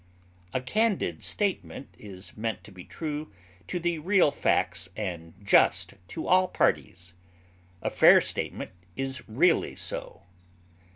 A candid statement is meant to be true to the real facts and just to all parties; a fair statement is really so.